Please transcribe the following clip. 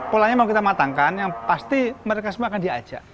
polanya mau kita matangkan yang pasti mereka semua akan diajak